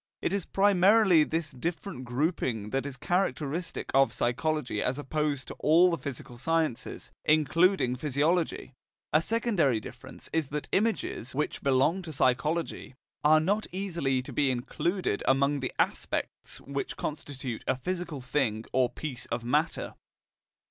It is primarily this different grouping that is characteristic of psychology as opposed to all the physical sciences, including physiology; a secondary difference is that images, which belong to psychology, are not easily to be included among the aspects which constitute a physical thing or piece of matter.